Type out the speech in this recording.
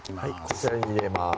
こちらに入れます